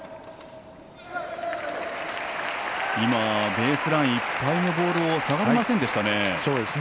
ベースラインいっぱいのボールを下がりませんでしたね。